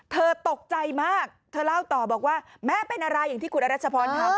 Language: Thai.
เธอตกใจมากเธอเล่าต่อบอกว่าแม่เป็นอะไรอย่างที่คุณอรัชพรทำ